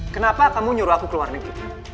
kenapa kamu nyuruh aku keluar negeri